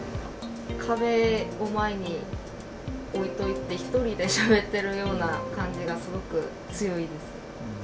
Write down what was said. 壁を前に置いといて、１人でしゃべってるような感じがすごく強いです。